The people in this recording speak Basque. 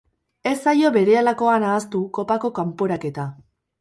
Ez zaio berehalakoan ahaztu kopako kanporaketa.